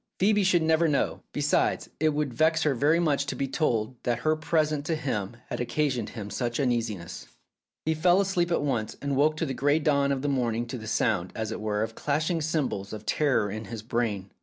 Phoebe should never know. Be sides, it would vex her very much to be told that her present to him had occasioned him such uneasiness. He fell asleep at once, and woke in the grey dawn of the morning to the sound, as it were, of clashing cymbals of terror in his brain.